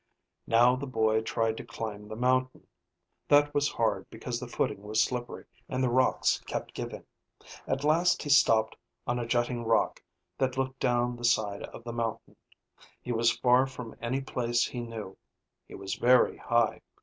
Now the boy tried to climb the mountain. That was hard because the footing was slippery and the rocks kept giving. At last he stopped on a jutting rock that looked down the side of the mountain. He was far from any place he knew. He was very high.